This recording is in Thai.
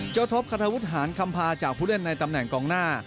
เจ้าทบฆาตาคุณหังคำพาจากผู้เล่นในตำแหน่งกองหน้า